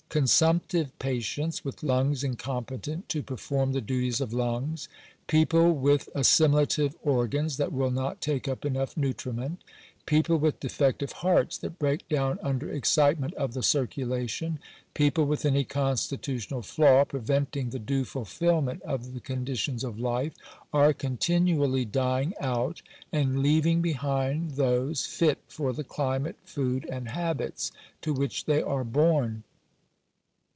Consumptive patients, with lungs incompetent to perform the duties of lungs, people with assi milative organs that will not take up enough nutriment, people with defective hearts that break down under excitement of the circulation, people with any constitutional flaw preventing the due fulfilment of the conditions of life, are continually dying out, and leaving behind those fit for the climate, food, and habits to which they are born.